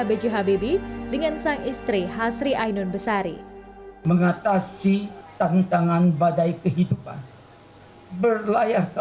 bejo habibie dengan sang istri hasri ainun besari mengatasi tantangan badai kehidupan berlayar ke